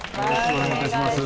よろしくお願いします。